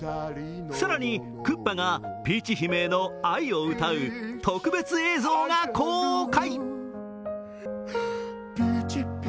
更に、クッパがピーチ姫への愛を歌う特別映像が公開。